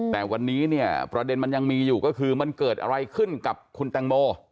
แต่วันนี้เนี่ยประเด็นมันยังมีอยู่ก็คือมันเกิดอะไรขึ้นกับคุณแตงโม